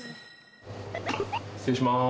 失礼します。